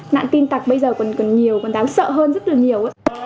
nạn tin tặc bây giờ còn cần nhiều còn đáng sợ hơn rất là nhiều